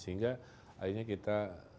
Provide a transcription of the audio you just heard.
sehingga akhirnya kita